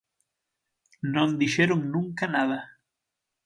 Non dixeron nunca nada.